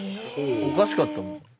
おかしかったもん。